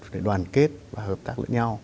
để đoàn kết và hợp tác với nhau